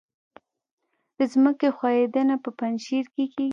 د ځمکې ښویدنه په پنجشیر کې کیږي